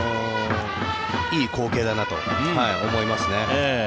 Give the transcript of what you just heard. いい光景だなと思います。